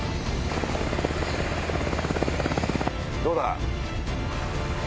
どうだ？